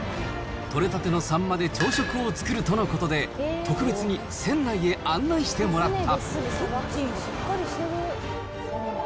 取れたてのサンマで朝食を作るとのことで、特別に船内へ案内してもらった。